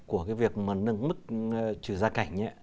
của cái việc mà nâng mức trừ gia cảnh